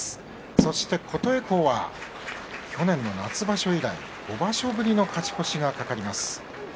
そして琴恵光は去年の夏場所以来２場所ぶりの勝ち越しがかかります。